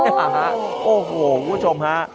โอ้โหคุณผู้ชมฮะ